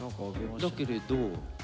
だけれど。